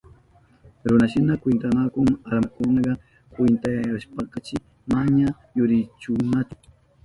Runashina kwintanahun almakunaka, kuchuyashpanchi manaña uyarinahunchu.